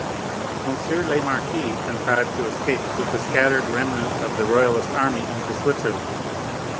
M. le Marquis contrived to escape with the scattered remnant of the Royalist army into Switzerland.